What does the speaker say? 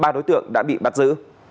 ba đối tượng đã bị bắt giữ